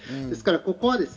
ですからここは。